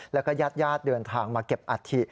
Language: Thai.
แล้วก็ยาดเดินทางมาเก็บอาทิ